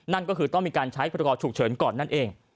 นั่นก็คือต้องมีการใช้พรกรฉุกเฉินก่อนนั่นเอง